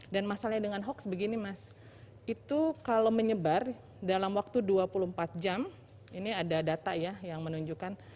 dan masalahnya dengan hoaks begini mas itu kalau menyebar dalam waktu dua puluh empat jam ini ada data ya yang menunjukkan